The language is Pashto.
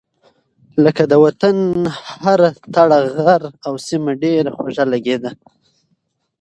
لکه : د وطن هره تړه غر او سيمه ډېره خوږه لګېده.